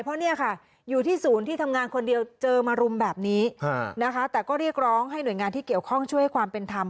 เพราะเนี่ยค่ะอยู่ที่ศูนย์ที่ทำงานคนเดียวเจอมารุมแบบนี้นะคะแต่ก็เรียกร้องให้หน่วยงานที่เกี่ยวข้องช่วยให้ความเป็นธรรม